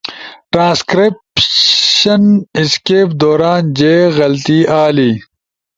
ٹرانسکرائپش اسکیپ دوران جے غلطی آلی